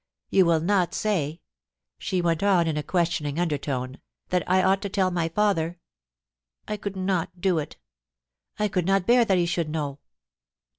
.,. You will not say,' she went on in a questioning undertone, 'that I ought to tell my father P I could not do it I could not bear that he should know.'